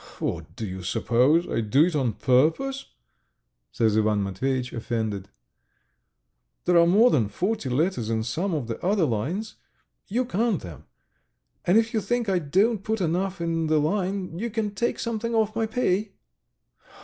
"What, do you suppose I do it on purpose?" says Ivan Matveyitch, offended. "There are more than forty letters in some of the other lines. ... You count them. And if you think I don't put enough in the line, you can take something off my pay."